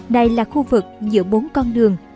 đây là khu vực giữa bốn con đường